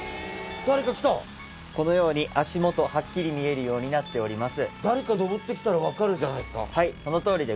このように足元見えるようになっております。